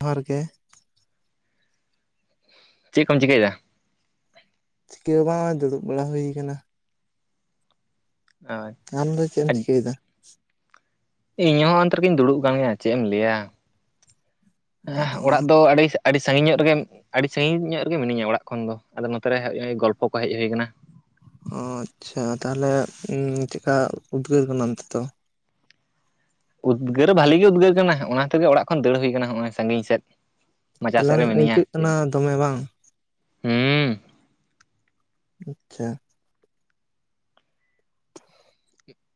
ᱡᱚᱦᱟᱨ ᱜᱮ, ᱪᱮᱜ ᱠᱚᱢ ᱪᱤᱠᱟᱹᱭᱮᱫᱟ? ᱪᱤᱠᱟᱹ ᱵᱟᱝᱼᱢᱟ, ᱫᱩᱲᱩᱵ ᱵᱟᱲᱟ ᱦᱩᱭ ᱭᱟᱠᱟᱱᱟ᱾ ᱟᱸᱪ, ᱟᱢ ᱫᱚ ᱪᱮᱜ ᱮᱢ ᱪᱤᱠᱟᱹᱭᱮᱫᱟ? ᱤᱧ ᱦᱚᱸ ᱚᱱᱛᱮ ᱨᱤᱜᱤᱧ ᱫᱩᱲᱩᱵ ᱟᱠᱟᱱ ᱜᱮᱭᱟ ᱪᱮᱜ ᱮᱢ ᱞᱟᱹᱭᱼᱟ? ᱦᱮᱸ ᱚᱲᱟᱜ ᱫᱚ ᱟᱹᱰᱤᱥᱟᱜ ᱟᱹᱰᱤ ᱥᱟᱺᱜᱤᱧᱚᱜ ᱨᱮᱜᱮᱢ, ᱟᱹᱰᱤ ᱥᱟᱺᱜᱤᱧ ᱧᱚᱜ ᱨᱮᱜᱮ ᱢᱤᱱᱟᱹᱧᱟ ᱚᱲᱟᱜ ᱠᱷᱚᱱ ᱫᱚ, ᱟᱫᱚ ᱱᱚᱛᱮ ᱨᱮᱣ ᱦᱮᱣ ᱜᱚᱞᱯᱚ ᱠᱚ ᱦᱮᱡ ᱦᱩᱭ ᱦᱟᱠᱟᱱᱟ᱾ ᱟᱻᱪᱪᱷᱟ ᱛᱟᱦᱮᱞᱮ ᱪᱮᱫ ᱠᱟ ᱩᱫᱽᱜᱟᱹᱨ ᱠᱟᱱᱟ ᱚᱱᱛᱮ ᱫᱚ? ᱩᱫᱽᱜᱟᱹᱨ ᱵᱷᱟᱹᱞᱤ ᱜᱮ ᱩᱫᱽᱜᱟᱹᱨ ᱠᱟᱱᱟ, ᱚᱱᱟ ᱠᱷᱟᱹᱛᱤᱨ ᱜᱮ ᱚᱲᱟᱜ ᱠᱷᱚᱱ ᱫᱟᱹᱲ ᱦᱩᱭ ᱟᱠᱟᱱᱟ, ᱦᱚᱸᱜᱼᱚᱭ ᱥᱟᱺᱜᱤᱧ ᱥᱮᱫ᱾ ᱢᱟᱪᱟ ᱥᱮᱜ ᱮᱞᱟᱝ ᱨᱮ ᱢᱤᱱᱟᱹᱧᱟ ᱟᱹᱭᱠᱟᱹᱜ ᱠᱟᱱᱟ ᱪᱮᱫ, ᱫᱚᱢᱮ ᱵᱟᱝ ᱦᱩᱸᱻ ᱟᱪᱪᱷᱟ᱾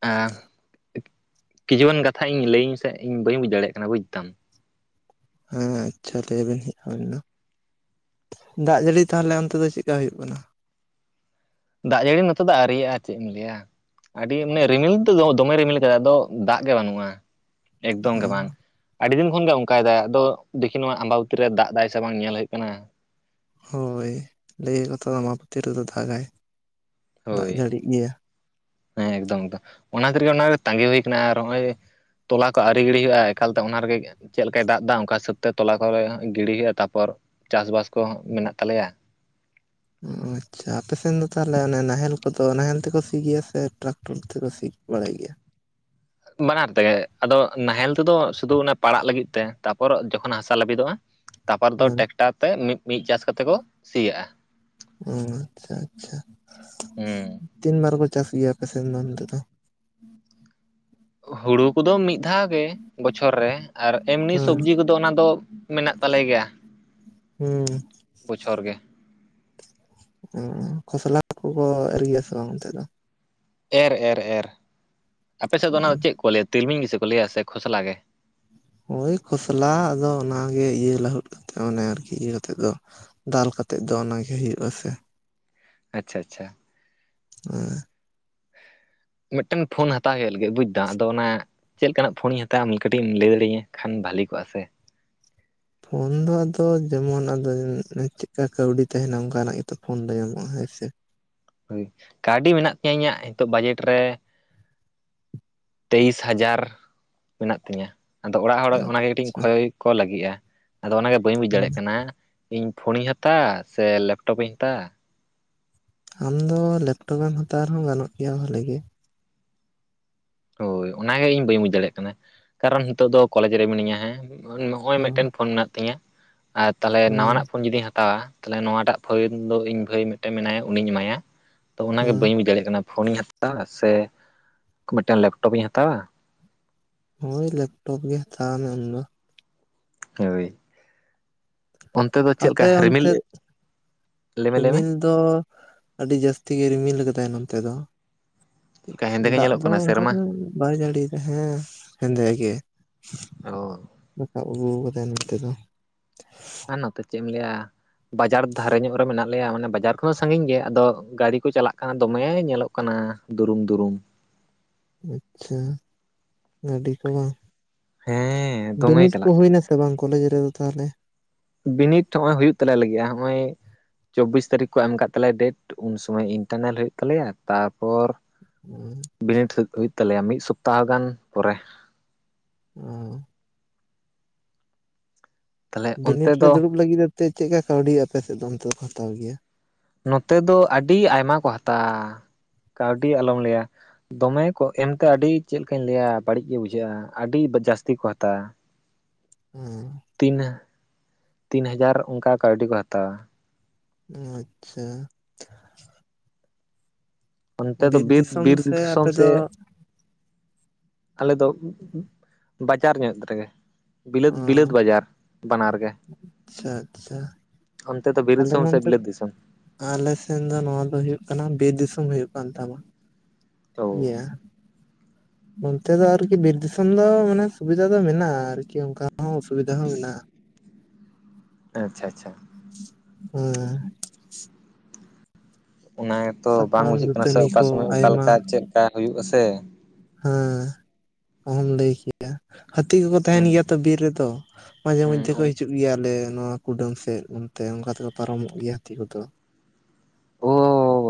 ᱦᱮᱸ ᱠᱤᱪᱷᱩ ᱜᱟᱱ ᱠᱟᱛᱷᱟ ᱤᱧ ᱞᱟᱹᱭᱟᱹᱧ ᱢᱮᱥᱮ ᱤᱧ ᱵᱟᱹᱧ ᱵᱩᱡᱽ ᱫᱟᱲᱮᱭᱟᱜ ᱠᱟᱱᱟ ᱵᱩᱡᱽ ᱫᱟᱢ? ᱦᱮᱸ ᱟᱪᱪᱷᱟ ᱞᱟᱹᱭ ᱵᱤᱱ ᱦᱮᱸ ᱟᱹᱵᱤᱱ ᱫᱚ? ᱫᱟᱜ ᱡᱟᱹᱲᱤ ᱛᱟᱦᱚᱞᱮ ᱚᱱᱛᱮ ᱫᱚ ᱪᱮᱜ ᱠᱟ ᱦᱩᱭᱩᱜ ᱠᱟᱱᱟ? ᱫᱟᱜ ᱡᱟᱹᱲᱤ ᱱᱚᱛᱮ ᱫᱚ ᱟᱹᱣᱨᱤ ᱭᱟᱜᱼᱟ ᱪᱮᱫ ᱤᱧ ᱞᱟᱹᱭᱟ᱾ ᱟᱹᱰᱤ ᱢᱟᱱᱮ ᱨᱤᱢᱤᱞ ᱫᱚ, ᱫᱚᱢᱮ ᱨᱤᱢᱤᱞ ᱟᱠᱟᱫᱟᱭ ᱟᱫᱚ ᱫᱟᱜ ᱜᱮ ᱵᱟᱹᱱᱩᱜᱼᱟᱸ ᱮᱠᱫᱚᱢ ᱜᱮ ᱵᱟᱝ᱾ ᱟᱹᱰᱤ ᱫᱤᱱ ᱠᱷᱚᱱ ᱜᱮ ᱚᱸᱠᱟ ᱭᱮᱫᱟᱭ ᱟᱫᱚ ᱫᱮᱠᱷᱤ ᱱᱚᱣᱟ ᱟᱢᱵᱟ ᱵᱟᱹᱛᱤ ᱨᱮ ᱫᱟᱜ ᱮᱫᱟᱭ ᱥᱮ ᱵᱟᱝᱼᱟ ᱧᱮᱞ ᱦᱩᱭᱩᱜ ᱠᱟᱱᱟ᱾ ᱦᱳᱭ ᱞᱟᱹᱭ ᱟᱠᱚ ᱛᱚ ᱟᱢᱵᱟ ᱵᱟᱹᱛᱤ ᱨᱮᱫᱚ ᱫᱟᱜᱽᱼᱟᱭ᱾ ᱦᱳᱭ ᱦᱮᱸ ᱮᱠᱫᱚᱢ ᱮᱠᱫᱚᱢ ᱚᱱᱟ ᱠᱷᱟᱹᱛᱤᱨ ᱜᱮ ᱚᱱᱟ ᱜᱮ ᱛᱟᱸᱜᱤ ᱦᱩᱭ ᱟᱠᱟᱱᱟ ᱟᱨ ᱱᱚᱜᱼᱚᱭ ᱛᱚᱞᱟ ᱠᱚ ᱟᱹᱣᱨᱤ ᱜᱤᱲᱤ ᱦᱩᱭᱩᱜᱼᱟ ᱮᱠᱟᱞ ᱛᱮ ᱚᱱᱟ ᱨᱮᱜᱮ ᱪᱮᱫ ᱞᱮᱠᱟᱭ ᱫᱟᱜ ᱮᱫᱟ ᱚᱸᱠᱟ ᱦᱤᱥᱟᱹᱵᱽ ᱛᱮ ᱛᱚᱞᱟ ᱠᱚᱞᱮ ᱦᱟᱸᱜ ᱜᱤᱰᱤ ᱦᱩᱭᱩᱜᱼᱟ, ᱛᱟᱨᱯᱚᱨ ᱪᱟᱥᱵᱟᱥ ᱠᱚᱦᱚᱸ ᱢᱮᱱᱟᱜ ᱛᱟᱞᱮᱭᱟ᱾ ᱚ ᱟᱻᱪᱪᱷᱟ ᱟᱯᱮᱥᱮᱱ ᱫᱚ ᱛᱟᱦᱮᱞᱮ ᱚᱱᱮ ᱱᱟᱦᱮᱞ ᱠᱚᱫᱚ ᱱᱟᱦᱮᱞ ᱛᱮᱠᱚ ᱥᱤ ᱜᱮᱭᱟ ᱥᱮ ᱴᱟᱨᱟᱠᱴᱚᱨ ᱛᱮᱠᱚ ᱥᱤ? ᱵᱟᱲᱟᱭ ᱜᱮᱭᱟ, ᱵᱟᱱᱟᱨ ᱛᱮᱜᱮ, ᱟᱫᱚᱜ ᱱᱟᱦᱮᱞ ᱛᱮᱫᱚ ᱥᱩᱫᱩ ᱚᱱᱟ ᱯᱟᱲᱟᱜ ᱞᱟᱹᱜᱤᱫ ᱛᱮ ᱛᱟᱨᱯᱚᱨ ᱡᱚᱠᱷᱚᱱ ᱦᱟᱥᱟ ᱞᱟᱹᱵᱤᱫᱚᱜᱼᱟ ᱛᱟᱯᱟᱨ ᱫᱚ ᱦᱮᱸ ᱴᱮᱠᱴᱟᱨ ᱛᱮ ᱢᱤᱫ ᱢᱤᱫ ᱪᱟᱥ ᱠᱟᱛᱮ ᱠᱚ ᱥᱤ ᱭᱟᱜᱼᱟ᱾ ᱚ ᱟᱻᱪᱪᱷᱟ ᱟᱪᱪᱷᱟ, ᱦᱩᱸ ᱛᱤᱱ ᱵᱟᱨ ᱠᱚ ᱪᱟᱥ ᱜᱮᱭᱟ ᱟᱯᱮᱥᱮᱱ ᱫᱚ ᱚᱱᱛᱮ ᱫᱚ? ᱦᱩᱲᱩ ᱠᱚᱫᱚ ᱢᱤᱫ ᱫᱷᱟᱣ ᱜᱮ ᱵᱚᱪᱷᱚᱨ ᱨᱮ ᱟᱨ ᱮᱢᱱᱤ ᱦᱮᱸ ᱥᱚᱵᱽᱡᱤ ᱠᱚ- ᱫᱚ ᱚᱱᱟ ᱫᱚ ᱢᱮᱱᱟᱜ ᱛᱟᱞᱮ ᱜᱮᱭᱟ᱾ ᱦᱩᱸ᱾ ᱵᱚᱪᱷᱚᱨ ᱜᱮ᱾ ᱚ ᱠᱷᱚᱥᱞᱟ ᱠᱚᱠᱚ ᱮᱨᱜᱤᱭᱟ ᱥᱮ ᱵᱟᱝ ᱚᱱᱛᱮ ᱫᱚ? ᱮᱨ ᱮᱨ ᱮᱨ ᱟᱯᱮᱥᱮᱫ ᱫᱚ ᱚᱱᱟ ᱫᱚ ᱪᱮᱫ ᱠᱚ ᱞᱟᱹᱭᱟ ᱛᱤᱞᱢᱤᱧ ᱜᱮᱥᱮ ᱠᱚ ᱞᱟᱹᱭᱟ ᱥᱮ ᱠᱷᱚᱥᱞᱟ ᱜᱮ? ᱳᱭ ᱠᱷᱚᱥᱞᱟ ᱟᱫᱚ ᱚᱱᱟᱜᱮ ᱤᱭᱟᱹ ᱞᱟᱹᱦᱩᱫ ᱠᱟᱛᱮᱫ ᱢᱚᱱᱮ ᱟᱨᱠᱤ ᱤᱭᱟᱹ ᱠᱟᱛᱮᱫ ᱫᱚ᱾ ᱫᱟᱞ ᱠᱟᱛᱮᱛ ᱫᱚ ᱚᱱᱟ ᱜᱮ ᱦᱩᱭᱩᱜ ᱟᱥᱮ? ᱟᱪᱪᱷᱟ ᱟᱪᱪᱷᱟ᱾ ᱦᱮᱸ᱾ ᱢᱤᱫᱴᱮᱱ ᱯᱷᱳᱱ ᱦᱟᱛᱟᱣ ᱦᱩᱭᱩᱜ ᱞᱟᱹᱜᱤᱫ ᱵᱩᱡ ᱫᱟ, ᱟᱫᱚ ᱚᱱᱟ ᱪᱮᱫ ᱞᱮᱠᱟᱱᱟᱜ ᱯᱷᱳᱱᱤᱧ ᱦᱟᱛᱟᱣᱟ ᱟᱢ ᱠᱟᱹᱴᱤᱡ ᱮᱢ ᱞᱟᱹᱭ ᱫᱟᱲᱮᱟᱹ ᱠᱷᱟᱱ ᱵᱷᱟᱹᱞᱤ ᱠᱚᱜᱼᱟ ᱥᱮ᱾ ᱯᱷᱳᱱ ᱫᱚ ᱟᱫᱚ ᱡᱮᱢᱚᱱ ᱟᱫᱚ ᱪᱮᱫᱠᱟ ᱠᱟᱹᱣᱰᱤ ᱛᱟᱦᱮᱸᱱᱟ ᱚᱱᱠᱟᱱᱟᱜ ᱜᱮᱛᱚ ᱯᱷᱳᱱ ᱫᱚ ᱧᱟᱢᱚᱜᱼᱟ ᱦᱮᱸᱥᱮ? ᱦᱳᱭ ᱠᱟᱹᱣᱰᱤ ᱢᱮᱱᱟᱜ ᱛᱤᱧᱟᱹ ᱤᱧᱟᱹᱜ ᱦᱤᱛᱳᱜ ᱵᱟᱡᱮᱴ ᱨᱮ ᱛᱮᱭᱤᱥ ᱦᱟᱡᱟᱨ ᱢᱮᱱᱟᱜ ᱛᱤᱧᱟ, ᱟᱫᱚ ᱚᱲᱟᱜ ᱦᱚᱲ ᱚᱱᱟᱜᱮ ᱠᱟᱹᱴᱤᱡ ᱟᱪᱪᱷᱟ ᱠᱷᱚᱭ ᱠᱚ ᱞᱟᱹᱜᱤᱫᱼᱟ᱾ ᱟᱫᱚ ᱚᱱᱟᱜᱮ ᱵᱟᱹᱧ ᱵᱩᱡ ᱫᱟᱲᱮᱜ ᱠᱟᱱᱟ ᱤᱧ ᱯᱷᱳᱱᱤᱧ ᱦᱟᱛᱟᱣᱟ ᱥᱮ ᱞᱮᱯᱴᱚᱯ ᱤᱧ ᱦᱟᱛᱟᱣᱟ ᱟᱢᱫᱚ ᱞᱮᱯᱴᱚᱯ ᱵᱮᱢ ᱦᱟᱛᱟᱣ ᱨᱮᱦᱚᱸ ᱜᱟᱱᱚᱜ ᱜᱮᱭᱟ ᱵᱟᱹᱞᱮ ᱜᱮ᱾ ᱦᱳᱭ ᱚᱱᱟᱜᱮ ᱤᱧ ᱵᱟᱹᱧ ᱵᱩᱡ ᱫᱟᱲᱮᱭᱟᱜ ᱠᱟᱱᱟ, ᱠᱟᱨᱚᱱ ᱱᱤᱛᱚᱜ ᱫᱚ ᱠᱚᱞᱮᱡᱽ ᱨᱮ ᱢᱤᱱᱟᱹᱧᱟ ᱦᱮᱸ ᱱᱚᱜᱼᱚᱭ ᱦᱮᱸ ᱢᱤᱫᱴᱮᱱ ᱯᱷᱳᱱ ᱢᱮᱱᱟᱜ ᱛᱤᱧᱟᱹ ᱟᱨ ᱛᱟᱦᱚᱞᱮ ᱦᱮᱸ ᱱᱟᱣᱟᱱᱟᱜ ᱯᱷᱳᱱ ᱡᱩᱫᱤᱧ ᱦᱟᱛᱟᱣᱟ ᱛᱟᱦᱚᱞᱮ ᱱᱚᱣᱟᱴᱟᱜ ᱯᱷᱟᱹᱭᱱ ᱫᱚ ᱤᱧ ᱵᱷᱟᱹᱭ ᱢᱤᱫᱴᱮᱱ ᱢᱮᱱᱟᱭᱟ ᱩᱱᱤᱧ ᱮᱢᱟᱭᱟ, ᱛᱚ ᱚᱱᱟᱜᱮ ᱦᱮᱸ ᱵᱟᱹ ᱵᱩᱡ ᱫᱟᱲᱮᱭᱟᱜ ᱠᱟᱱᱟ᱾ ᱯᱷᱳᱱᱤᱧ ᱦᱟᱛᱟᱣᱟ ᱥᱮ ᱢᱤᱫᱴᱟᱱ ᱞᱮᱯᱴᱚᱯᱤᱧ ᱦᱟᱛᱟᱣᱟ? ᱦᱳᱭ ᱞᱮᱯᱴᱚᱯ ᱜᱮ ᱦᱟᱛᱟᱣ ᱢᱮ ᱟᱢᱫᱚ᱾ ᱦᱳᱭ ᱚᱱᱛᱮ ᱫᱚ ᱪᱮᱫ ᱠᱟ ᱟᱯᱮ ᱨᱤᱢᱤᱞ, ᱚᱱᱛᱮ ᱞᱮᱹᱢᱮ ᱞᱮᱹᱢᱮ᱾ ᱨᱤᱢᱤᱞ ᱫᱚ ᱟᱹᱰᱤ ᱡᱟᱹᱥᱛᱤ ᱜᱮ ᱨᱤᱢᱤᱞ ᱠᱟᱫᱟᱭ ᱱᱚᱱᱛᱮ ᱫᱚ᱾ ᱪᱮᱫ ᱞᱮᱠᱟ ᱦᱮᱸᱫᱮ ᱜᱮ ᱫᱟᱜ ᱧᱮᱞᱚᱜ ᱫᱚ ᱠᱟᱱᱟ ᱚᱝᱠᱟ ᱥᱮᱨᱢᱟ ᱫᱚ ᱵᱟᱭ ᱡᱟᱹᱲᱤᱭᱫᱟ ᱦᱮᱸ ᱦᱮᱸᱫᱮ ᱜᱮ᱾ ᱚ ᱨᱟᱠᱟᱵ ᱟᱹᱜᱩ ᱠᱟᱫᱟᱭ ᱱᱚᱛᱮ ᱫᱚ᱾ ᱱᱚᱛᱮ ᱪᱮᱫ ᱮᱢ ᱞᱟᱹᱭᱟ ᱵᱟᱡᱟᱨ ᱫᱷᱟᱨᱮ ᱧᱚᱜ ᱨᱮ ᱢᱮᱱᱟᱜ ᱞᱮᱭᱟ ᱢᱟᱱᱮ ᱵᱟᱡᱟᱨ ᱛᱷᱚᱲᱟ ᱥᱟᱺᱟᱹᱜᱤᱧ ᱜᱮᱭᱟ ᱟᱫᱚ ᱜᱟᱹᱲᱤ ᱠᱚ ᱪᱟᱞᱟᱜ ᱠᱟᱱᱟ ᱫᱚᱢᱮ ᱧᱮᱞᱚᱜ ᱠᱟᱱᱟ ᱫᱩᱨᱩᱢ ᱫᱩᱨᱩᱢ᱾ ᱟᱪᱪᱷᱟ ᱜᱟᱹᱰᱤ ᱠᱚ ᱵᱟᱝ? ᱦᱮᱸ ᱫᱚᱢᱮ ᱵᱤᱱᱤᱰ ᱠᱚ ᱪᱟᱞᱟᱜ ᱦᱳᱭ ᱠᱟᱱᱟ ᱱᱟᱥᱮ ᱥᱮ ᱵᱟᱝ ᱠᱚ ᱞᱮᱭ ᱫᱟᱨᱮ ᱫᱚ ᱛᱟᱦᱚᱞᱮ᱾ ᱵᱤᱱᱤᱛ ᱚᱦᱚᱸᱜ ᱚᱚᱭ ᱦᱩᱭᱩᱜ ᱛᱟᱞᱮ ᱞᱟᱹᱜᱤᱫᱼᱟ ᱦᱚᱸᱼᱚᱭ ᱪᱚᱵᱵᱤᱥ ᱛᱟᱨᱤᱠᱷ ᱠᱚ ᱮᱢ ᱠᱟ ᱛᱟᱞᱮᱭᱟ ᱰᱮᱴ ᱩᱱ ᱥᱩᱚᱢᱚᱭ ᱤᱱᱴᱟᱨᱱᱮᱞ ᱦᱩᱭᱩᱜ ᱛᱟᱞᱮᱭᱟ ᱛᱟᱨᱯᱚᱨ ᱵᱤᱱᱰ ᱥᱮᱫ ᱫᱚ ᱦᱩᱭᱩᱜ ᱛᱟᱞᱮᱭᱟ ᱢᱤᱫ ᱥᱚᱯᱛᱟᱦᱚ ᱜᱟᱱ ᱯᱚᱨᱮ᱾ ᱚ᱾ ᱛᱟᱦᱚᱞᱮ ᱚᱱᱛᱮ ᱵᱤᱱᱤᱰ ᱨᱮ ᱫᱚ ᱫᱩᱲᱩᱵ ᱞᱟᱹᱜᱤᱫ ᱛᱮ ᱪᱮᱫ ᱪᱮᱫᱠᱟ ᱠᱟᱹᱣᱰᱤ ᱟᱯᱮ ᱥᱮᱫ ᱫᱚ ᱚᱱᱛᱮ ᱠᱚ ᱦᱟᱛᱟᱣ ᱜᱮᱭᱟ? ᱱᱚᱛᱮ ᱫᱚ ᱟᱹᱰᱤ ᱟᱭᱢᱟ ᱠᱚ ᱦᱟᱛᱟᱣᱟ ᱠᱟᱹᱣᱰᱤ ᱟᱞᱚᱢ ᱞᱟᱹᱭᱟ᱾ ᱫᱚᱢᱮ ᱠᱚ ᱮᱢᱠᱟ ᱟᱹᱰᱤ ᱪᱮᱫ ᱞᱮᱠᱟᱧ ᱞᱟᱹᱭᱟ ᱵᱟᱹᱲᱤᱡ ᱜᱮ ᱵᱩᱡᱷᱟᱹᱜᱼᱟ ᱟᱹᱰᱤ ᱡᱟᱹᱥᱛᱤ ᱠᱚ ᱦᱟᱛᱟᱣᱟ᱾ ᱩᱸ᱾ ᱛᱤᱱ ᱦᱟ ᱛᱤᱱ ᱦᱟᱡᱟᱨ ᱚᱱᱠᱟ ᱠᱟᱹᱣᱰᱤ ᱠᱚ ᱦᱟᱛᱟᱣᱟ᱾ ᱟᱪᱪᱷᱟ᱾ ᱚᱱᱛᱮ ᱫᱚ ᱵᱤᱨ ᱫᱤᱥᱚᱢ ᱵᱤᱨ ᱥᱮ ᱫᱤᱥᱚᱢ ᱟᱯᱮ ᱥᱮ ᱫᱚ ᱟᱞᱮ ᱫᱚ ᱵᱟᱡᱟᱨ ᱧᱚᱜ ᱨᱮᱜᱮ᱾ ᱚ ᱵᱤᱞᱟᱹᱛ ᱵᱤᱞᱟᱹᱛ ᱵᱟᱡᱟᱨ ᱵᱟᱱᱟᱨ ᱜᱮ᱾ ᱟᱪᱪᱷᱟ ᱟᱪᱪᱷᱟ ᱚᱱᱛᱮ ᱫᱚ ᱵᱤᱨ ᱟᱞᱮ ᱫᱤᱥᱚᱢ ᱥᱮ ᱱᱚᱱᱛᱮ ᱵᱤᱞᱟᱛ ᱫᱤᱥᱚᱢ? ᱟᱞᱮ ᱥᱮᱱ ᱫᱚ ᱱᱚᱣᱟ ᱫᱚ ᱦᱩᱭᱩᱜ ᱠᱟᱱᱟ ᱵᱤᱨ ᱫᱤᱥᱚᱢ ᱦᱩᱭᱩᱜ ᱠᱟᱱ ᱛᱟᱢᱟ ᱚ ᱴᱤᱠᱜᱮᱭᱟ᱾ ᱚᱱᱛᱮ ᱫᱚ ᱟᱨᱠᱤ ᱵᱤᱨ ᱫᱤᱥᱚᱢ ᱫᱚ ᱢᱟᱱᱮ ᱥᱩᱵᱤᱫᱟ ᱫᱚ ᱢᱮᱱᱟᱜᱼᱟ ᱟᱨᱠᱤ ᱚᱱᱠᱟ ᱦᱚᱸ ᱚᱥᱵᱤᱫᱟ ᱦᱚᱸ ᱢᱮᱱᱟᱜᱼᱟ᱾ ᱟᱪᱪᱷᱟ ᱟᱪᱪᱷᱟ᱾ ᱦᱮᱸ ᱚᱱᱟ ᱜᱮᱛᱚ ᱵᱟᱝ ᱥᱟᱠᱟᱢ ᱵᱩᱡᱷᱟᱹᱜ ᱠᱟᱱᱟ ᱥᱮ ᱫᱟᱹᱛᱟᱹᱱᱤ ᱚᱠᱟ ᱥᱚᱢᱚᱭ ᱠᱚ ᱟᱭᱢᱟ ᱚᱠᱟᱞᱮᱠᱟ ᱪᱮᱫᱠᱟ ᱦᱩᱭᱩᱜ ᱟ ᱥᱮᱮᱼᱼ ᱦᱮᱸ ᱚᱢᱦᱚᱢ ᱞᱟᱹᱭ ᱠᱮᱭᱟ ᱦᱟᱹᱛᱤ ᱠᱚᱠᱚ ᱛᱟᱦᱮᱱ ᱦᱩᱸ ᱜᱮᱭᱟ ᱛᱚ ᱵᱤᱨ ᱨᱮᱫᱚᱼᱼ ᱦᱩᱸ ᱢᱟᱡᱷᱮᱢᱚᱫᱽᱷᱮ ᱠᱚ ᱦᱤᱡᱩᱜ ᱜᱮᱭᱟᱞᱮ ᱱᱚᱣᱟ ᱠᱩᱰᱟᱹᱢ ᱥᱮᱫ ᱚᱱᱛᱮ ᱚᱱᱠᱟ ᱛᱮᱠᱚ ᱯᱟᱨᱚᱢᱚᱜ ᱜᱮᱭᱟ ᱦᱟᱹᱛᱤ ᱠᱚᱫᱚᱼᱼ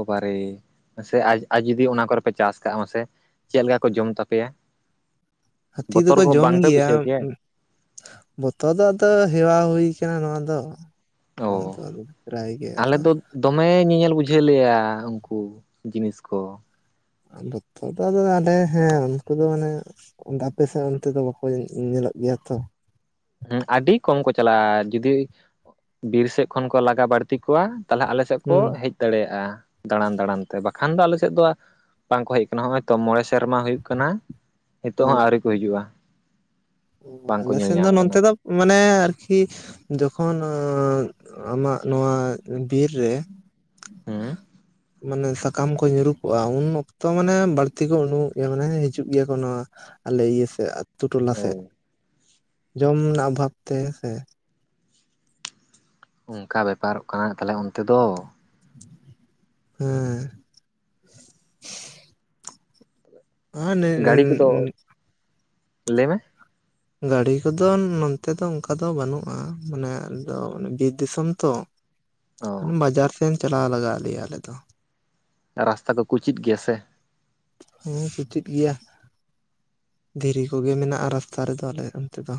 ᱵᱟᱨᱮ ᱢᱟᱥᱮ ᱟᱡ ᱟᱨ ᱡᱩᱫᱤ ᱚᱱᱟ ᱠᱚᱨᱮ ᱯᱮ ᱪᱟᱥ ᱠᱟᱜᱼᱟ ᱢᱟᱥᱮᱼ ᱪᱮᱫ ᱞᱮᱠᱟ ᱠᱚ ᱡᱚᱢ ᱛᱟᱯᱮᱭᱟ᱾ ᱦᱟᱹᱛᱤ ᱵᱚᱛᱚᱨ ᱫᱚᱠᱚ ᱠᱚ ᱡᱚᱢ ᱵᱟᱝᱯᱮ ᱜᱮᱭᱟ ᱵᱩᱡᱷᱟᱹᱣ ᱩᱸᱼᱼ ᱵᱚᱛᱚᱨ ᱫᱚ ᱟᱫᱚ ᱦᱮᱣᱟ ᱦᱳᱭ ᱠᱟᱱᱟ ᱱᱚᱣᱟ ᱫᱚ? ᱦᱩᱸ ᱚ [inaudible] ᱯᱮᱨᱟᱭ ᱜᱮ ᱟᱞᱮ ᱟᱫᱚᱼᱼ ᱫᱚ ᱫᱚᱢᱮ ᱧᱮᱧᱮᱞ ᱵᱩᱡᱷᱟᱹᱣ ᱞᱮᱫᱼᱟ ᱩᱱᱠᱩ ᱡᱤᱱᱤᱥ ᱠᱚ ᱱᱚᱛᱚ ᱫᱚ ᱟᱞᱮ ᱦᱮᱸ ᱩᱱᱠᱩ ᱫᱚ ᱢᱟᱱᱮᱼᱼ ᱚᱱᱛᱮ ᱟᱯᱮᱥᱮᱫ ᱚᱱᱛᱮ ᱫᱚ ᱵᱟᱠᱚ ᱧᱮᱞᱚᱜ ᱧᱮᱞᱚᱜ ᱜᱮᱭᱟ ᱛᱷᱚ ᱦᱩᱸ ᱟᱹᱰᱤ ᱠᱚᱢ ᱠᱚ ᱪᱟᱞᱟᱜᱼᱟ ᱡᱩᱫᱤ ᱵᱤᱨ ᱥᱮᱫ ᱠᱷᱚᱱ ᱠᱚ ᱞᱟᱜᱟ ᱵᱟᱹᱲᱛᱤ ᱠᱚᱣᱟ᱾ ᱛᱟᱦᱚᱞᱮ ᱟᱞᱮ ᱥᱮᱫ ᱠᱚ ᱦᱩᱸ ᱦᱮᱡᱼᱼ ᱫᱟᱲᱮᱭᱟᱜᱼᱟ ᱫᱟᱬᱟᱱ ᱫᱟᱬᱟᱱ ᱛᱮ ᱵᱟᱠᱷᱟᱱ ᱫᱚ ᱟᱞᱮ ᱥᱮᱫ ᱫᱚ-ᱟ ᱵᱟᱝ ᱠᱚ ᱦᱮᱡ ᱠᱟᱱᱟ ᱱᱚᱼᱚᱭ ᱛᱚ ᱢᱚᱬᱮᱥᱼᱼ ᱥᱮᱨᱢᱟ ᱦᱩᱭᱩᱜ ᱠᱟᱱᱟ ᱱᱤᱛᱚᱜ ᱦᱮᱸ ᱦᱚᱸ ᱟᱹᱣᱨᱤ ᱠᱚ ᱦᱤᱡᱩᱜᱼᱟ᱾ ᱵᱟᱝᱠᱚ ᱟᱞᱮ ᱧᱮᱞ ᱥᱮᱱ ᱫᱚ ᱧᱟᱢ ᱠᱟᱱᱟ ᱱᱚᱱᱛᱮ ᱫᱚ ᱢᱟᱱᱮ ᱟᱨᱠᱤᱼᱼ ᱡᱚᱠᱷᱚᱱ ᱟᱢᱟᱜ ᱱᱚᱶᱟ ᱵᱤᱨ ᱨᱮ ᱦᱮᱸ ᱢᱟᱱᱮ [unintelligible] ᱥᱟᱠᱟᱢ ᱠᱚ ᱧᱩᱨᱩᱜᱚᱜᱼᱟ ᱩᱱ ᱚᱠᱛᱚ ᱢᱟᱱᱮ ᱵᱟᱹᱲᱛᱤ ᱠᱚ ᱩᱰᱩᱠ ᱜᱮᱭᱟ ᱢᱟᱱᱮ ᱦᱤᱡᱩᱜ ᱜᱮᱭᱟ ᱠᱚ ᱱᱚᱣᱟ᱾ ᱟᱞᱮ ᱤᱭᱟᱹ ᱥᱮᱮ ᱟᱛᱩ ᱴᱚᱞᱟ ᱚ ᱥᱮᱫ ᱡᱚᱢ ᱨᱮᱱᱟᱜ ᱚᱵᱷᱟᱵ ᱛᱮ ᱥᱮᱼᱼ ᱚᱱᱠᱟ ᱵᱮᱯᱟᱨᱚᱜ ᱠᱟᱱᱟ ᱛᱟᱦᱚᱞᱮ ᱚᱱᱛᱮ ᱫᱚ ᱦᱮᱸ [unintelligible] ᱟᱨ ᱜᱟᱹᱲᱤ ᱠᱚᱫᱚ ᱞᱟᱹᱭᱢᱮᱼᱼ ᱜᱟᱹᱰᱤ ᱠᱚᱫᱚ ᱱᱚᱱᱛᱮ ᱫᱚ ᱚᱱᱠᱟ ᱫᱚ ᱵᱟᱹᱱᱩᱜᱼᱟ ᱢᱟᱱᱮ ᱟᱫᱚ ᱵᱤᱨ ᱫᱤᱥᱚᱢ ᱛᱚ ᱚ ᱵᱟᱡᱟᱨ ᱥᱮ ᱪᱟᱞᱟᱣ ᱞᱟᱜᱟᱜ ᱞᱮᱭᱟ ᱟᱞᱮ ᱫᱚᱼᱼ ᱨᱟᱥᱛᱟ ᱠᱚ ᱠᱩᱪᱮᱫ ᱜᱮᱭᱟ ᱥᱮᱼᱼ ᱦᱮᱸ ᱠᱩᱪᱮᱫ ᱜᱮᱭᱟ᱾ ᱫᱷᱤᱨᱤ ᱠᱚᱜᱮ ᱢᱮᱱᱟᱜᱼᱟ ᱨᱟᱥᱛᱟ ᱨᱮᱫᱚ ᱟᱞᱮ ᱚᱱᱛᱮ ᱫᱚᱼᱼ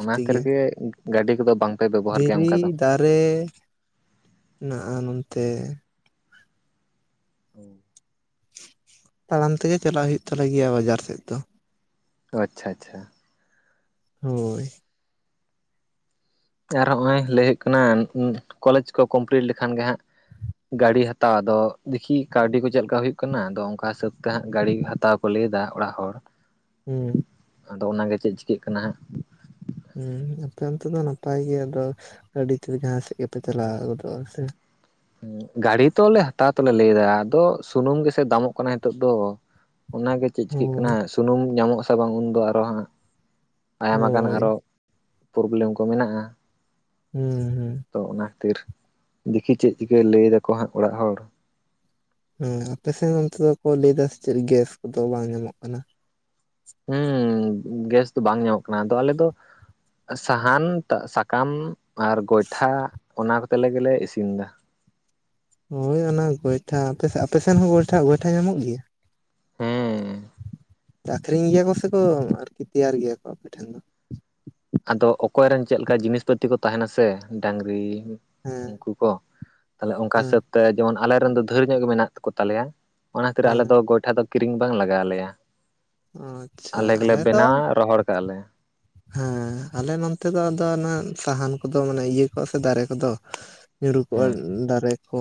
ᱚᱱᱟ ᱠᱷᱛᱮᱤᱨᱜᱮ ᱜᱟᱹᱰᱤ ᱠᱚᱫᱚ ᱵᱟᱝᱯᱮ ᱵᱮᱵᱚᱦᱟᱨ ᱜᱮᱭᱟ ᱚᱱᱠᱟ ᱫᱚ ᱨᱮ ᱦᱮᱱᱟᱜᱼᱟ ᱱᱚᱱᱛᱮᱼᱼ ᱦᱳ ᱛᱟᱲᱟᱢ ᱛᱮᱜᱮ ᱪᱟᱞᱟᱜ ᱦᱩᱭᱩᱜ ᱛᱟᱞᱮ ᱜᱮᱭᱟ ᱵᱟᱡᱟᱨ ᱥᱮᱫ ᱫᱚ ᱟᱪᱪᱷᱟ ᱟᱪᱪᱷᱟ ᱦᱳᱭ ᱟᱨ ᱦᱚᱸᱜᱼᱚᱭ ᱞᱟᱹᱭ ᱦᱩᱭᱩᱜ ᱠᱟᱱᱟ ᱠᱚᱞᱮᱡᱽ ᱠᱚ ᱠᱚᱢᱯᱞᱤᱴ ᱞᱮᱠᱷᱟᱱ ᱜᱮ ᱦᱟᱸᱜᱼᱼ ᱜᱟᱹᱰᱤ ᱦᱟᱛᱟᱣ ᱟᱫᱚ ᱫᱮᱠᱷᱤ ᱠᱟᱹᱣᱰᱤ ᱠᱚ ᱪᱮᱫᱮᱠᱟ ᱦᱩᱭᱩᱜᱜ ᱠᱟᱱᱟ ᱟᱫᱚ ᱚᱱᱠᱟ ᱦᱤᱥᱟᱹᱵ ᱛᱮ ᱦᱟᱸᱜ ᱜᱟᱹᱰᱤ ᱦᱟᱛᱟᱣ- ᱠᱚ ᱞᱟᱹᱭᱟ ᱫᱟ ᱚᱲᱟᱜ ᱦᱚᱲᱼᱼ ᱦᱩᱸ ᱟᱫᱚ ᱚᱱᱟᱜᱮ ᱪᱮᱫ ᱪᱤᱠᱟᱹᱜ ᱠᱟᱱᱟ ᱦᱟᱸᱜᱼᱼ ᱦᱮᱸ ᱟᱯᱮ ᱚᱱᱛᱮ ᱫᱚ ᱱᱟᱯᱟᱭ ᱜᱮ ᱟᱫᱚ ᱟᱹᱰᱤ ᱛᱮᱫ ᱡᱟᱦᱟᱸ ᱥᱮᱫ ᱜᱮᱯᱮ ᱪᱟᱞᱟᱣ ᱜᱚᱫᱚᱜᱼᱟ ᱥᱮᱼᱼ ᱜᱟᱹᱰᱤ ᱛᱚᱞᱮ ᱦᱟᱛᱟᱣ ᱛᱮᱞᱮ ᱞᱟᱹᱭ ᱮᱫᱟ ᱟᱫᱚ ᱥᱩᱱᱩᱢ ᱜᱮᱥᱮ ᱫᱟᱢᱚᱜ ᱠᱟᱱᱟ ᱱᱤᱛᱚᱜ ᱫᱚᱼᱼ ᱚᱱᱟᱜᱮ ᱪᱮᱫ ᱪᱤᱠᱟᱹᱜ ᱦᱳᱭ ᱠᱟᱱᱟ ᱥᱩᱱᱩᱢ ᱧᱟᱢᱚᱜ ᱟᱥᱮ ᱵᱟᱝ ᱩᱱᱫᱚ ᱟᱨᱚ, ᱦᱟᱸᱜ ᱟᱭᱢᱟ ᱜᱟᱱ ᱦᱳᱭ ᱟᱨᱚ ᱯᱨᱚᱵᱽᱞᱮᱢ ᱠᱚ ᱢᱮᱱᱟᱜᱼᱟ ᱾ ᱦᱩᱸ ᱦᱩᱸ ᱾ ᱛᱚ ᱚᱱᱟ ᱠᱷᱟᱹᱛᱤᱨ ᱫᱮᱠᱷᱤ ᱪᱮᱫ ᱪᱤᱠᱟᱹᱭ ᱞᱟᱹᱭ ᱫᱟᱠᱚ ᱦᱟᱸᱜ ᱚᱲᱟᱜ ᱦᱚᱲ᱾ ᱦᱮᱸ ᱟᱯᱮᱥᱮᱫ ᱚᱱᱛᱮ ᱫᱚ ᱠᱚ ᱞᱟᱹᱭ ᱮᱫᱟ ᱥᱮ ᱪᱮᱫ ᱜᱮᱥ ᱠᱚᱫᱚ ᱵᱟᱝ ᱧᱟᱢᱚᱜ ᱠᱟᱱᱟ᱾ ᱦᱮᱸ ᱜᱮᱥ ᱫᱚ ᱵᱟᱝ ᱧᱟᱢᱚᱜ ᱠᱟᱱᱟ ᱟᱫᱚ ᱟᱞᱮ ᱫᱚ ᱥᱟᱦᱟᱱ ᱥᱟᱠᱟᱢ ᱟᱨ ᱜᱚᱭᱴᱷᱟ ᱚᱱᱟ ᱠᱚᱛᱮ ᱞᱮᱜᱞᱮ ᱤᱥᱤᱱ ᱮᱫᱟ᱾ ᱦᱳᱭ ᱚᱱᱟ ᱜᱚᱭᱴᱷᱟ ᱟ ᱟᱯᱮᱥᱱ ᱦᱚᱸ ᱜᱚᱭᱴᱟ ᱜᱚᱭᱴᱷᱟ ᱧᱟᱢᱚᱜ ᱜᱮᱭᱟ? ᱦᱮᱸ᱾ ᱟᱠᱷᱨᱤᱧ ᱜᱮᱭᱟ ᱠᱚ ᱥᱮ ᱠᱚ ᱟᱨᱠᱤ ᱛᱮᱭᱟᱨ ᱜᱮᱭᱟ ᱠᱚ ᱟᱯᱮᱴᱷᱮᱱ ᱫᱚ᱾ ᱟᱫᱚ ᱚᱠᱚᱭ ᱨᱮᱱ ᱪᱮᱫᱞᱮᱠᱟ ᱡᱤᱱᱤᱥ ᱯᱟᱹᱛᱤ ᱠᱚ ᱛᱟᱦᱮᱱᱟ ᱥᱮ ᱰᱟᱝᱨᱤ ᱦᱮᱸ ᱩᱱᱠᱩ ᱠᱚ ᱛᱟᱦᱞᱮ ᱚᱱᱠᱟ ᱦᱮᱸ ᱦᱤᱥᱟᱹᱵ ᱛᱮ ᱡᱮᱢᱚᱱ ᱟᱞᱮᱨᱮ ᱨᱮᱱ ᱫᱚ ᱰᱟᱹᱨ ᱧᱚᱜ ᱜᱮ ᱢᱮᱱᱟᱜ ᱠᱚ ᱛᱟᱞᱮᱭᱟ᱾ ᱚᱱᱟ ᱠᱷᱟᱹᱛᱤᱨ ᱟᱞᱮ ᱦᱮᱸ ᱫᱚ ᱜᱚᱭᱴᱟ ᱫᱚ ᱠᱤᱨᱤᱧ ᱵᱟᱝ ᱞᱟᱜᱟᱣᱞᱮᱭᱟ᱾ ᱟᱪᱪᱷᱟ ᱟᱞᱮ ᱜᱮᱞᱮ ᱫᱚ ᱵᱮᱱᱟᱣᱟ ᱨᱚᱦᱚᱲ ᱠᱟᱜᱼᱟ ᱞᱮ᱾ ᱦᱮᱸ ᱟᱞᱮ ᱱᱚᱱᱛᱮ ᱫᱚ ᱟᱫᱚ ᱥᱟᱦᱟᱱ ᱠᱚᱫᱚ ᱢᱟᱱᱮ ᱤᱭᱟᱹ ᱠᱚ ᱥᱮ ᱫᱟᱨᱮ ᱠᱚᱫᱚ ᱧᱩᱨᱩ ᱠᱚᱜᱼᱟ ᱦᱮᱸ ᱫᱟᱨᱮ ᱠᱚ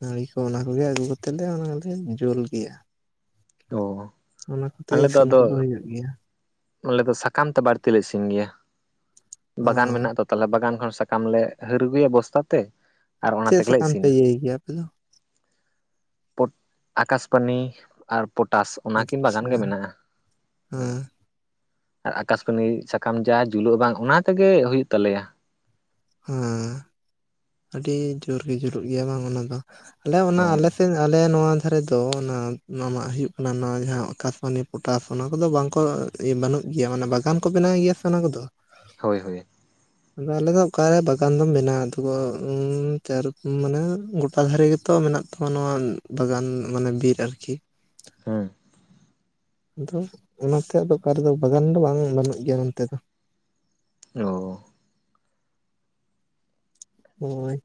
ᱱᱟᱹᱲᱤ ᱠᱚ ᱚᱱᱟ ᱠᱚᱜᱮ ᱟᱹᱜᱩ ᱠᱟᱛᱮᱫ ᱞᱮ ᱚᱱᱟᱞᱮ ᱡᱩᱞ ᱜᱮᱭᱟ᱾ ᱚ ᱚᱱᱟ ᱠᱚᱛᱮ ᱟᱞᱮ ᱫᱚ ᱤᱥᱤᱱ ᱟᱫᱚ ᱠᱚᱫᱚ ᱦᱩᱭᱩᱜ ᱜᱮᱭᱟ᱾ ᱟᱞᱮ ᱫᱚ ᱥᱟᱠᱟᱢ ᱛᱮ ᱵᱟᱹᱲᱛᱤ ᱞᱮ ᱤᱥᱤᱱ ᱜᱮᱭᱟ ᱚ ᱵᱟᱜᱟᱱ ᱢᱮᱱᱟᱜ ᱛᱚ ᱾ ᱛᱟᱦᱞᱮ ᱵᱟᱜᱟᱱ ᱠᱷᱚᱱ ᱥᱟᱠᱟᱢ ᱞᱮ ᱦᱟᱹᱨ ᱟᱹᱜᱩᱭᱟ ᱵᱚᱥᱛᱟ ᱛᱮ ᱟᱨ ᱚᱱᱟ ᱪᱮᱫ ᱛᱮᱜᱮᱞᱮ ᱥᱟᱠᱟᱢ ᱯᱮ ᱤᱥᱤᱱᱟ ᱤᱭᱟᱹᱭ ᱜᱮᱭᱟ ᱟᱯᱮ ᱫᱚ ᱾ ᱯᱚᱴ ᱟᱠᱟᱥᱯᱟᱱᱤ ᱟᱨ ᱯᱚᱴᱟᱥ ᱚᱱᱟ ᱠᱤᱱ ᱵᱟᱜᱟᱱ ᱟᱪᱪᱷᱟ ᱜᱮ ᱢᱮᱱᱟᱜᱼᱟ, ᱦᱳᱭ ᱦᱮᱸ ᱾ ᱟᱨ ᱟᱠᱟᱥᱠᱟᱹᱱᱤ ᱥᱟᱠᱟᱢ ᱡᱟ ᱡᱩᱞᱩᱜ ᱵᱟᱝ ᱚᱱᱟ ᱛᱮᱜᱮ ᱦᱩᱭᱩᱜ ᱛᱟᱞᱮᱭᱟ᱾ ᱦᱮᱸ ᱟᱹᱰᱤ ᱡᱳᱨ ᱜᱮ ᱡᱩᱞᱩᱜ ᱜᱮᱭᱟ ᱵᱟᱝ ᱚᱱᱟ ᱫᱚ ᱟᱞᱮ ᱚᱱᱟ ᱦᱮᱸ ᱟᱞᱮᱥᱮᱫ ᱟᱞᱮ ᱱᱚᱣᱟ ᱠᱟᱷᱟ ᱨᱮᱫᱚ ᱚᱱᱟ ᱱᱟᱟᱜ ᱦᱩᱭᱩᱜ ᱠᱟᱱᱟ ᱱᱚᱣᱟ ᱡᱟᱦᱟᱸ ᱟᱠᱟᱥᱢᱟᱱᱤ ᱯᱚᱴᱟᱥ ᱚᱱᱟ ᱠᱚᱫᱚ ᱵᱟᱝ ᱠᱚ ᱵᱟᱹᱱᱩᱜ ᱜᱮᱭᱟ ᱢᱟᱱᱮ ᱵᱟᱜᱟᱱ ᱠᱚ ᱵᱮᱱᱟᱣ ᱜᱮᱭᱟ ᱥᱮ ᱚᱱᱟ ᱠᱚᱫᱚ᱾ ᱦᱳᱭ ᱦᱳᱭ ᱾ ᱟᱫᱚ ᱟᱞᱮ ᱫᱚ ᱚᱠᱟᱨᱮ ᱵᱟᱜᱟᱱ ᱫᱚᱢ ᱵᱮᱱᱟᱣᱟ ᱟᱛᱷᱩ ᱠᱚ ᱩ ᱱᱚᱛᱮ ᱟᱨᱠ ᱢᱟᱱᱮ ᱜᱚᱴᱟ ᱫᱷᱟᱨᱮ ᱜᱮᱛᱚ ᱢᱮᱱᱟᱜ ᱛᱟᱢᱟ ᱱᱚᱣᱟ ᱵᱟᱜᱟᱱ ᱢᱟᱱᱮ ᱵᱤᱨ ᱟᱨᱠᱤ᱾ ᱦᱮᱸ ᱟᱫᱚ ᱚᱱᱟᱛᱮ ᱟᱫᱚ ᱚᱠᱟᱨ ᱨᱮᱫᱚ ᱵᱟᱜᱟᱱ ᱫᱚ ᱵᱟᱝ ᱵᱟᱹᱱᱩᱜ ᱜᱮᱭᱟ ᱱᱚᱱᱛᱮ ᱫᱚ ᱾ ᱚ ᱦᱳᱭ᱾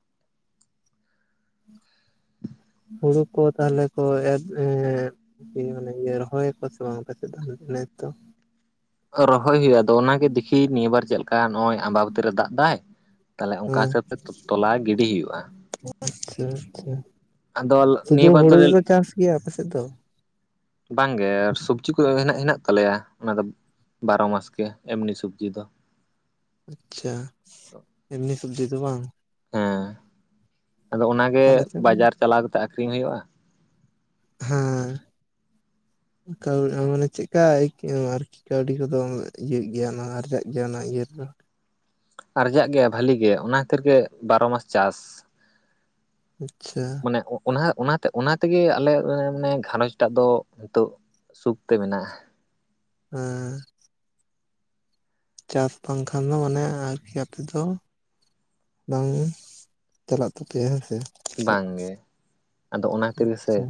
ᱦᱩᱲᱩ ᱠᱚ ᱛᱟᱦᱚᱞᱮ ᱠᱚ ᱮᱨ ᱮ ᱢᱟᱱᱮ ᱤᱭᱟᱹ ᱨᱚᱦᱚᱭᱟᱠᱚ ᱥᱮ ᱵᱟᱝ ᱟᱯᱮ ᱥᱮᱫ ᱫᱚ ᱱᱮᱥ ᱛᱚ ᱾ ᱨᱚᱦᱚᱭ ᱦᱩᱭᱩᱜ ᱟᱫᱚ ᱚᱱᱟᱜᱮ ᱫᱮᱠᱷᱤ ᱱᱤᱭᱟᱹ ᱵᱟᱨ ᱪᱮᱫ ᱞᱮᱠᱟ ᱱᱚᱜᱚᱭ ᱟᱢᱵᱟᱵᱚᱹᱛᱤ ᱨᱮ ᱫᱟᱜᱽ ᱫᱟᱭ᱾ ᱛᱟᱦᱚᱞᱮ ᱚᱱᱠᱟ ᱦᱮᱸ ᱦᱤᱥᱟᱹᱵ ᱛᱮ ᱛᱚᱞᱟ ᱜᱤᱰᱤ ᱦᱩᱭᱩᱜᱼᱟ᱾ ᱟᱪᱪᱷᱟ ᱟᱪᱪᱷᱟ, ᱟᱫᱚ ᱥᱩᱫᱩ ᱱᱤᱭᱟᱹ ᱵᱟᱨ ᱫᱚ ᱦᱩᱲᱩ ᱜᱮᱠᱚ ᱪᱟᱥ ᱜᱮᱭᱟ ᱟᱯᱮ ᱥᱮᱫ ᱫᱚ? ᱵᱟᱝᱜᱮ ᱟᱨ ᱥᱚᱵᱡᱤ ᱠᱚ ᱦᱮᱱᱟᱜ ᱦᱮᱱᱟᱜ ᱛᱟᱞᱮᱭᱟ ᱚᱱᱟ ᱫᱚ ᱾ ᱵᱟᱨᱚ ᱢᱟᱥ ᱜᱮ ᱮᱢᱱᱤ ᱥᱚᱵᱡᱤ ᱫᱚ ᱾ ᱟᱪᱪᱷᱟ ᱮᱢᱱᱤ ᱥᱚᱵᱡᱤ ᱫᱚ ᱵᱟᱝ? ᱦᱮᱸ, ᱟᱫᱚ ᱚᱱᱟᱜᱮ ᱟᱞᱮ ᱥᱮᱫ ᱵᱟᱡᱟᱨ ᱪᱟᱞᱟᱣ ᱠᱟᱛᱮᱜ ᱟᱠᱷᱨᱤᱧ ᱦᱩᱭᱩᱜᱼᱟ᱾ ᱦᱮ ᱾ [unintelligible] ᱠᱟᱹᱣᱤ ᱟ ᱢᱟᱱᱮ ᱪᱮᱫᱠᱟ ᱟᱹᱭᱠᱟᱹᱜ ᱟᱨᱠᱤ, ᱠᱟᱹᱣᱰᱤ ᱠᱚᱫᱚ ᱤᱭᱟᱹᱜ ᱜᱮᱭᱟ ᱚᱱᱟ ᱟᱨᱡᱟᱜ ᱜᱮᱭᱟ ᱚᱱᱟ ᱤᱭᱟᱹ ᱨᱮᱫᱚ᱾ ᱟᱨᱡᱟᱜ ᱜᱮᱭᱟ ᱵᱷᱟᱞᱤ ᱜᱮ ᱚᱱᱟ ᱠᱷᱟᱹᱛᱤᱨ ᱜᱮ ᱵᱟᱨᱚ ᱢᱟᱥ ᱪᱟᱥ᱾ ᱟᱪᱪᱷᱟ᱾ ᱢᱟᱱᱮ ᱚᱱᱟ ᱚᱱᱟᱛᱮ ᱚᱱᱟᱛᱮᱜᱮ ᱟᱞᱮ ᱢᱟᱱᱮ ᱜᱷᱟᱨᱚᱸᱡᱽ ᱴᱟᱜ ᱫᱚ ᱱᱤᱛᱚᱜᱼᱼ ᱥᱩᱠᱛᱮ ᱢᱮᱱᱟᱜᱼᱟ᱾ ᱦᱮᱸ ᱪᱟᱥ ᱵᱟᱝᱠᱷᱟᱱ ᱫᱚ ᱢᱟᱱᱮ ᱟᱨᱠᱤ ᱟᱯᱮᱫᱚᱼᱼ ᱵᱟᱝ ᱪᱟᱞᱟᱜ ᱛᱟᱯᱮᱭᱟ ᱦᱮᱸ ᱥᱮ, ᱪᱮᱫ ᱵᱟᱝ ᱜᱮ ᱟᱫᱚ ᱚᱱᱟ ᱠᱷᱟᱹᱛᱤᱨ ᱜᱮᱥᱮ ᱟᱪᱪᱷᱟ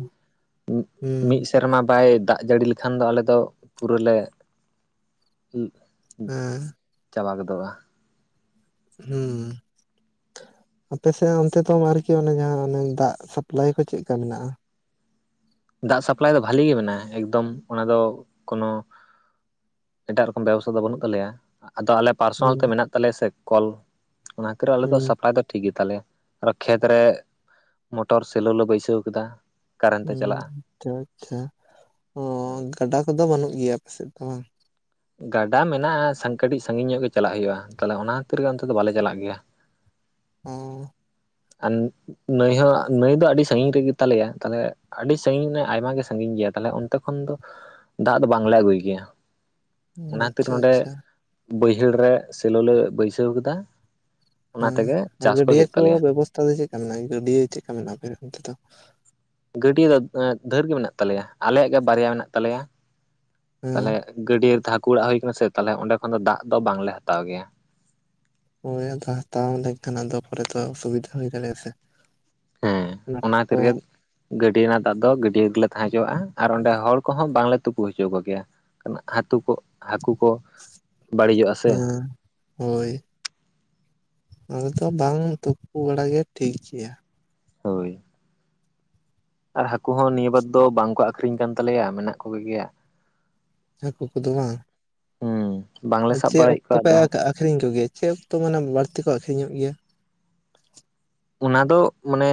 ᱢᱤᱫ ᱦᱩᱸ ᱢᱤᱫᱼᱼ ᱥᱮᱨᱢᱟ ᱵᱟᱭ ᱫᱟᱜ ᱡᱟᱹᱲᱤ ᱞᱮᱠᱷᱟᱱ ᱫᱚ ᱟᱞᱮ ᱫᱚ ᱯᱩᱨᱟᱹ ᱞᱮ ᱩᱼᱼ ᱦᱮᱸ ᱪᱟᱵᱟ ᱜᱚᱫᱚᱜᱼᱟ᱾ ᱦᱩᱸ ᱟᱯᱮ ᱥᱮᱫ ᱚᱱᱛᱮ ᱫᱚ ᱟᱨᱠᱤ ᱚᱱᱮ ᱡᱟᱦᱟᱸ ᱚᱱᱮ ᱫᱟᱜ ᱥᱟᱯᱞᱟᱭ ᱠᱚ ᱪᱮᱫᱠᱟ ᱢᱮᱱᱟᱜᱼᱟ? ᱫᱟᱜ ᱥᱟᱯᱞᱟᱭ ᱫᱚ ᱵᱷᱟᱞᱤ ᱜᱮ ᱢᱮᱱᱟᱜᱼᱟ ᱮᱠᱫᱚᱢ ᱚᱱᱟ ᱫᱚ ᱠᱳᱱᱳᱼᱼ ᱮᱴᱟᱜ ᱨᱚᱠᱚᱢ ᱵᱮᱵᱚᱥᱛᱷᱟ ᱫᱚ ᱵᱟᱹᱱᱩᱜ ᱛᱟᱞᱮᱭᱟ ᱟᱫᱚ ᱟᱞᱮᱼᱼ ᱯᱟᱨᱥᱚᱱᱟᱞ ᱦᱩᱸ ᱛᱮ ᱢᱮᱱᱟᱜ ᱛᱟᱞᱮᱭᱟ ᱥᱮ ᱠᱚᱞ ᱚᱱᱟ ᱠᱷᱟᱹᱛᱤᱨ ᱟᱞᱮ ᱫᱚ ᱦᱩᱸ ᱥᱟᱯᱞᱟᱭ ᱫᱚ ᱴᱷᱤᱠ ᱜᱮᱛᱟᱞᱮᱭᱟ᱾ ᱟᱨᱚ ᱠᱷᱮᱛ ᱨᱮ ᱢᱚᱴᱚᱨ ᱥᱮᱞᱳ ᱞᱮ ᱵᱟᱹᱭᱥᱟᱹᱣ ᱠᱮᱫᱟ᱾ ᱦᱸ ᱟᱪᱪᱷᱟ ᱟᱪᱪᱷᱟ ᱚ ᱦᱳᱭ ᱜᱟᱰᱟ ᱠᱚᱫᱚ ᱵᱟᱹᱱᱩᱜ ᱜᱮᱭᱟ ᱟᱯᱮᱥᱮᱫ ᱫᱚ ᱵᱟᱝ? ᱜᱟᱰᱟ ᱢᱮᱱᱟᱜᱼᱟ ᱠᱟᱹᱴᱤᱡ ᱥᱟᱺᱜᱤᱧ ᱧᱚᱜ ᱜᱮ ᱪᱟᱞᱟᱜ ᱦᱩᱭᱩᱜᱼᱟ ᱛᱟᱦᱚᱞᱮ ᱚᱱᱟ ᱠᱷᱟᱹᱛᱤᱨ ᱜᱮ ᱚᱱᱛᱮ ᱫᱚ ᱵᱟᱞᱮ ᱪᱟᱞᱟᱜ ᱜᱮᱭᱟ᱾ ᱦᱩ ᱟᱨ ᱱᱟᱹᱭ ᱦᱚᱸ ᱱᱟᱹᱭ ᱫᱚ ᱟᱹᱰᱤ ᱥᱟᱺᱜᱤᱧ ᱨᱮᱜᱮ ᱛᱟᱞᱮᱭᱟ ᱛᱟᱦᱞᱮᱼᱼ ᱟᱹᱰᱤ ᱥᱟᱺᱜᱤᱧ ᱱᱟ ᱟᱭᱢᱟ ᱜᱮ ᱥᱟᱺᱜᱤᱧ ᱜᱮᱭᱟ ᱛᱟᱦᱞᱮ ᱚᱱᱛᱮ ᱠᱷᱚᱱ ᱫᱚ ᱫᱟᱜ ᱫᱚ ᱵᱟᱝᱞᱮ ᱟᱹᱜᱩᱭ ᱜᱮᱭᱟ᱾ ᱚᱱᱟ ᱠᱷᱟᱹᱛᱤᱨ ᱟᱪᱪᱷᱟ ᱱᱚᱰᱮ ᱟᱪᱪᱷᱟ ᱵᱟᱹᱭᱦᱟᱹᱲ ᱨᱮ ᱥᱮᱞᱚ ᱞᱮ ᱵᱟᱹᱭᱥᱟᱹᱣ ᱠᱮᱫᱟ᱾ ᱦᱮᱸ ᱟᱨ ᱜᱟᱹᱰᱭᱟᱹ ᱠᱚ ᱵᱮᱵᱚᱥᱛᱷᱟ ᱫᱚ ᱪᱮᱫ ᱞᱮᱠᱟ ᱢᱮᱱᱟᱜᱼᱟ ᱜᱟᱹᱰᱭᱟᱹ ᱪᱮᱫ ᱞᱮᱠᱟ ᱢᱮᱱᱟᱜᱼᱟ ᱟᱯᱮ ᱚᱱᱛᱮ ᱫᱚ ᱜᱟᱹᱰᱭᱟᱹ ᱫᱚ ᱰᱷᱮᱨ ᱜᱮ ᱢᱮᱱᱟᱜ ᱛᱟᱞᱮᱭᱟ ᱟᱞᱮᱭᱟᱜ ᱜᱮ ᱵᱟᱨᱭᱟ ᱢᱮᱱᱟᱜ ᱛᱟᱞᱮᱭᱟ ᱦᱮᱸ ᱛᱟᱦᱞᱮ ᱜᱟᱹᱰᱭᱟᱹ ᱨᱮᱫᱚ ᱦᱟᱹᱠᱩ ᱚᱲᱟᱜ ᱦᱩᱭ ᱟᱠᱟᱱᱟ ᱥᱮ ᱛᱟᱦᱚᱞᱮ ᱚᱸᱰᱮ ᱠᱷᱚᱱ ᱫᱚ ᱫᱟᱜ ᱫᱚ ᱵᱟᱝᱞᱮ ᱦᱟᱛᱟᱣ ᱜᱮᱭᱟ᱾ ᱦᱳᱭ ᱟᱫᱚ ᱦᱟᱛᱟᱣ ᱞᱮᱱᱠᱷᱟᱱ ᱟᱫᱚ ᱯᱚᱨᱮ ᱫᱚ ᱚᱥᱩᱵᱤᱫᱷᱟ ᱦᱩᱭ ᱫᱟᱲᱮᱭᱟᱜᱼᱟ ᱥᱮ᱾ ᱦᱮᱸ ᱟᱱᱟᱴ ᱚᱱᱟ ᱠᱷᱟᱹᱛᱤᱨ ᱠᱚ ᱜᱮ ᱜᱟᱹᱰᱭᱟᱹ ᱨᱮᱱᱟᱜ ᱫᱟᱜ ᱫᱚ ᱜᱟᱹᱰᱭᱟᱹ ᱜᱮᱞᱮ ᱛᱟᱦᱮᱸ ᱦᱚᱪᱚᱣᱟᱜᱼᱟ ᱟᱨ ᱚᱸᱰᱮ ᱦᱚᱲ ᱠᱚᱦᱚᱸ ᱵᱟᱝᱞᱮ ᱛᱩᱯᱩ ᱦᱚᱪᱚ ᱟᱠᱚᱜᱮᱭᱟ᱾ ᱦᱟᱹᱛᱩ ᱠᱚ ᱦᱟᱹᱠᱩ ᱠᱚᱼᱼ ᱦᱮᱸ ᱦᱳᱭ ᱱᱚᱰᱮ ᱫᱚ ᱵᱟᱝ ᱛᱩᱯᱩ ᱵᱟᱲᱟ ᱜᱮ ᱴᱷᱤᱠ ᱜᱮᱭᱟ᱾ ᱦᱳᱭ᱾ ᱟᱨ ᱦᱟᱹᱠᱳ ᱦᱚᱸ ᱱᱤᱭᱟᱹ ᱵᱟᱨ ᱫᱚ ᱵᱟᱝᱠᱚ ᱟᱠᱷᱨᱤᱧ ᱠᱟᱱ ᱛᱟᱞᱮᱭᱟ ᱢᱮᱱᱟᱜ ᱠᱚ ᱜᱮᱭᱟ᱾ ᱦᱟᱹᱠᱳ ᱠᱚᱫᱚ ᱵᱟᱝ, ᱦᱩᱸ ᱵᱟᱝᱞᱮ ᱟᱨ ᱥᱟᱵ ᱪᱮᱫ ᱵᱟᱲᱟᱭᱮᱫ ᱚᱠᱛᱚ ᱠᱚᱣᱟ ᱯᱮ ᱟᱫᱚ ᱟᱠᱷᱨᱤᱧ ᱠᱚ ᱜᱮᱭᱟ ᱪᱮᱫ ᱚᱠᱛᱚ ᱢᱟᱱᱮ ᱵᱟᱹᱲᱛᱤ ᱠᱚ ᱟᱠᱷᱨᱤᱧᱚᱜ ᱜᱮᱭᱟ᱾ ᱚᱱᱟ ᱫᱚ ᱢᱟᱱᱮ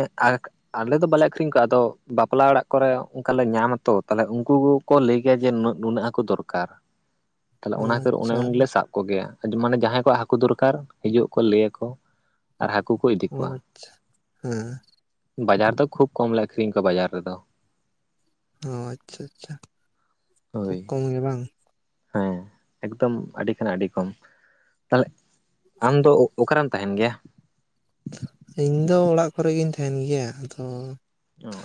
ᱟᱞᱮ ᱫᱚ ᱵᱟᱞᱮ ᱟᱠᱷᱨᱤᱧ ᱠᱚᱣᱟ ᱟᱫᱚ ᱵᱟᱯᱞᱟ ᱚᱲᱟᱜ ᱠᱚᱨᱮ ᱚᱱᱠᱟ ᱞᱮ ᱧᱟᱢ ᱟᱛᱚ ᱛᱟᱦᱞᱮ ᱩᱱᱠᱩ ᱠᱚ ᱠᱚ ᱞᱟᱹᱭ ᱜᱮᱭᱟ ᱡᱮ ᱱᱩᱱᱟ ᱱᱩᱱᱟᱹᱜ ᱦᱟᱹᱠᱩ ᱫᱚᱨᱠᱟᱨ ᱛᱟᱦᱚᱞᱮ ᱚ ᱚᱱᱟ ᱠᱷᱟᱹᱛᱤᱨ ᱚᱱᱮ ᱟᱪᱪᱷᱟ ᱩᱱᱞᱮ ᱥᱟᱵ ᱠᱚᱜᱮᱭᱟ ᱟᱡᱤᱡ ᱢᱟᱱᱮ ᱡᱟᱦᱟᱸᱭ ᱠᱚᱣᱟᱜ ᱦᱟᱹᱠᱩ ᱫᱚᱨᱠᱟᱨ ᱦᱤᱡᱩᱜ ᱟᱠᱚ ᱞᱟᱹᱭᱟᱠᱚ ᱟᱨ ᱦᱟᱹᱠᱩ ᱠᱚ ᱤᱫᱤ ᱚ ᱠᱚᱣᱟ᱾ ᱦᱮᱸ ᱵᱟᱡᱟᱨ ᱫᱚ ᱠᱷᱩᱵ ᱠᱚᱢᱞᱮ ᱟᱠᱷᱨᱤᱧ ᱠᱚᱣᱟ ᱵᱟᱡᱟᱨ ᱨᱮᱫᱚ᱾ ᱚ ᱟᱪᱪᱷᱟ ᱪᱷᱟ ᱠᱷᱩᱵ ᱦᱳᱭ ᱠᱚᱢ ᱜᱮ ᱵᱟᱝ? ᱦᱮᱸ ᱮᱠᱫᱚᱢ ᱟᱹᱰᱤ ᱠᱷᱚᱱᱟᱜ ᱟᱹᱰᱤ ᱠᱚᱢ᱾ ᱛᱟᱦᱚᱞᱮ ᱟᱢᱫᱚ ᱚᱠᱟᱨᱮᱢ ᱛᱟᱦᱮᱱ ᱜᱮᱭᱟ? ᱤᱧᱫᱚ ᱚᱲᱟᱜ ᱠᱚᱨᱮ ᱜᱤᱧ ᱛᱟᱦᱮᱱ ᱜᱮᱭᱟ ᱟᱫᱚ ᱚ᱾